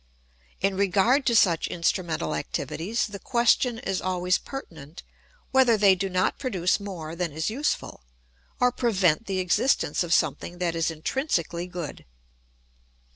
In regard to such instrumental activities the question is always pertinent whether they do not produce more than is useful, or prevent the existence of something that is intrinsically good.